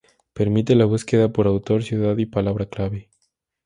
Permite la búsqueda por autor, ciudad y palabra clave.